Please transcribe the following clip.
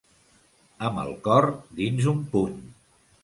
Amb el cor dins un puny.